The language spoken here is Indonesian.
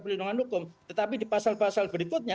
perlindungan hukum tetapi di pasal pasal berikutnya